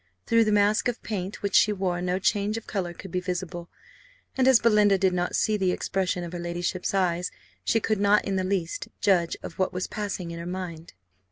Through the mask of paint which she wore no change of colour could be visible; and as Belinda did not see the expression of her ladyship's eyes, she could not in the least judge of what was passing in her mind.